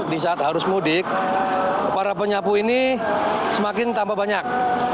di saat harus mudik para penyapu ini semakin tambah banyak